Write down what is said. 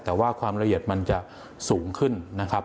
แต่ว่าความละเอียดมันจะสูงขึ้นนะครับ